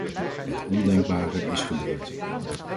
Het ondenkbare is gebeurd.